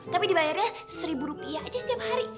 tapi dibayarnya seribu rupiah aja setiap hari